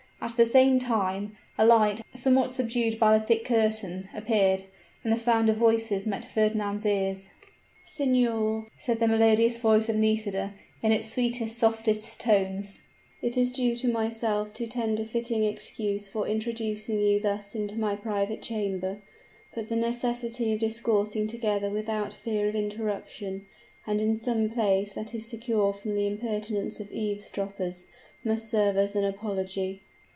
At the same time, a light, somewhat subdued by the thick curtain, appeared; and the sound of voices met Fernand's ears. "Signor," said the melodious voice of Nisida, in its sweetest, softest tones, "it is due to myself to tender fitting excuse for introducing you thus into my private chamber; but the necessity of discoursing together without fear of interruption, and in some place that is secure from the impertinence of eavesdroppers, must serve as an apology."